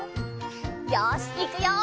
よしいくよ。